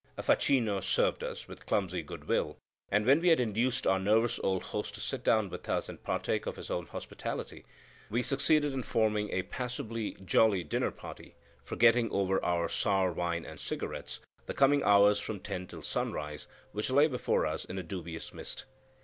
A facchino served us, with clumsy good will; and when we had induced our nervous old host to sit down with us and partake of his own hospitality, we succeeded in forming a passably jolly dinner party, forgetting over our sour wine and cigarettes the coming hours from ten until sunrise, which lay before us in a dubious mist.